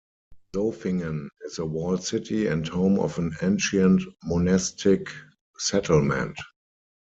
Zofingen is a walled city and home of an ancient monastic settlement.